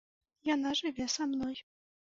Яна жыве са мной.